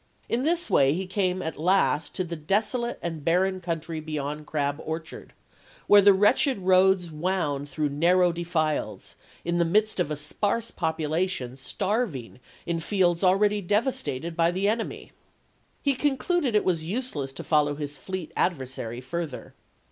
In this ^ wsi?*' way he came at last to the desolate and barren country beyond Crab Orchard, where the wretched roads wound through narrow defiles, in the midst of a sparse population starving in fields already devas tated by the enemy. He concluded it was useless to follow his fleet adversary further.